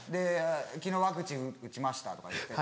「昨日ワクチン打ちました」とか言って。